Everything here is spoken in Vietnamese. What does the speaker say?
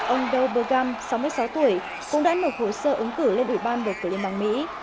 ông dowburg sáu mươi sáu tuổi cũng đã nộp hồ sơ ứng cử lên ủy ban bầu cử liên bang mỹ